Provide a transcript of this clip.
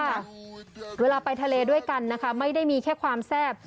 เวลาไปทะเลด้วยกันนะคะไม่ได้มีแค่ความแซ่บ